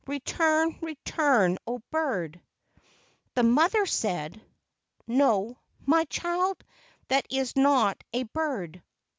Return, return, O bird!" The mother said: "No, my child, that is not a bird.